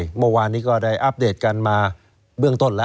เมื่อวานนี้ก็ได้อัปเดตกันมาเบื้องต้นแล้ว